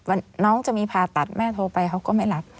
น้องจะมีผ่าตัดแม่โทรไปเขาก็ไม่รับ